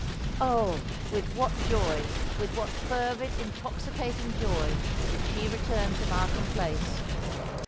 Oh! with what joy—with what fervid, intoxicating joy—did she return to Markham Place!